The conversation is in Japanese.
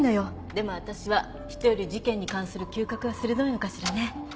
でもわたしは人より事件に関する嗅覚が鋭いのかしらね。